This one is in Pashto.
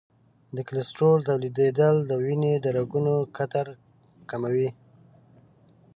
د کلسترول تولیدېدل د وینې د رګونو قطر کموي.